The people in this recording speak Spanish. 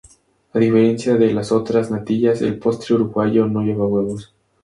A diferencia de las otras natillas el postre uruguayo no lleva huevos.